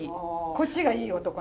こっちがいい男。